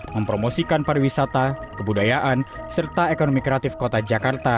mempromosikan pariwisata kebudayaan serta ekonomi kreatif kota jakarta